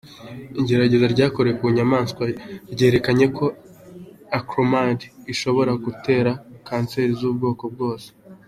Igerageza ryakorewe ku inyamaswa ryerekanye ko acrylamide ishobora gutera kanseri zubwoko bwose.